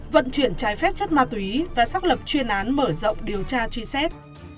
vận chuyển trái phép chất ma túy và xác lập chuyên án mở rộng điều tra truy xét